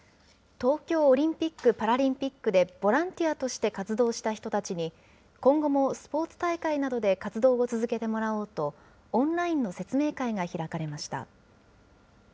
東京オリンピック・パラリンピックでボランティアとして活動した人たちに、今後もスポーツ大会などで活動を続けてもらおうと、オンラインの説明会が開かれました。